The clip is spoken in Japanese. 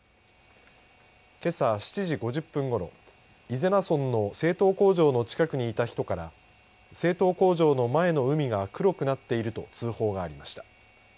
けさ７時５０分ごろ伊是名村の製糖工場の近くにいた人から製糖工場の前の海が黒くなっていると通報がありました。